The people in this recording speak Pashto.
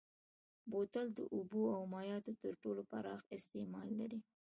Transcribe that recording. بوتل د اوبو او مایعاتو تر ټولو پراخ استعمال لري.